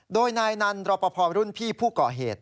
โดยนายนันรอปภรุ่นพี่ผู้ก่อเหตุ